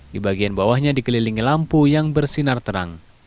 di bagian bawahnya dikelilingi lampu yang bersinar terang